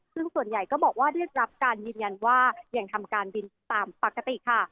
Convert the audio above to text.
ซึ่งส่วนใหญ่ก็บอกว่าได้รับการยืนยันว่ายังทำการบินตามปกติค่ะ